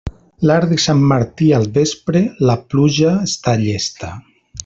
L'arc de Sant Martí al vespre, la pluja està llesta.